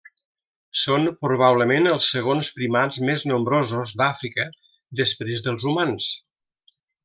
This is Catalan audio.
Són probablement els segons primats més nombrosos d'Àfrica, després dels humans.